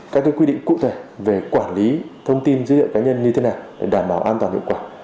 các quy định cụ thể về quản lý thông tin dữ liệu cá nhân như thế nào để đảm bảo an toàn hiệu quả